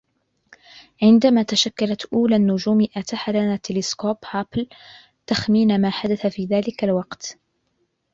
عندما تشكلت أولى النجوم أتاح لنا تلسكوب هابل تخمين ماحدث في ذلك الوقت